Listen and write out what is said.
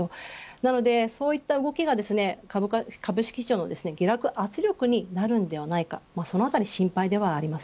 なのでそういった動きがですね株式市場の下落、圧力になるのではないかそのあたりが心配です。